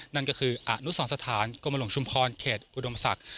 นั่นก็คืออนุสรสถานกรมหลวงชุมพรเขตอุดมศักดิ์